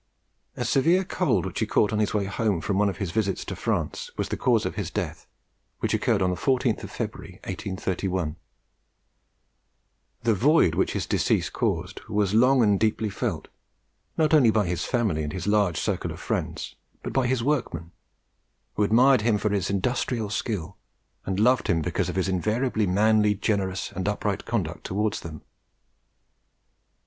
A severe cold which he caught on his way home from one of his visits to France, was the cause of his death, which occurred on the 14th of February, 1831. The void which his decease caused was long and deeply felt, not only by his family and his large circle of friends, but by his workmen, who admired him for his industrial skill, and loved him because of his invariably manly, generous, and upright conduct towards them.